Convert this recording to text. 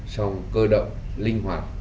song cơ động linh hoạt